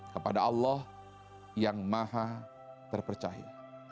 kepada allah yang maha terpercaya